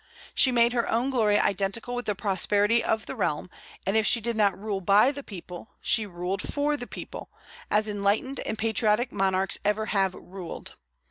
She made her own glory identical with the prosperity of the realm; and if she did not rule by the people, she ruled for the people, as enlightened and patriotic monarchs ever have ruled.